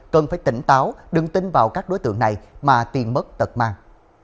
cần phải tỉnh táo đừng tin vào các đối tượng này mà tiền mất tật mang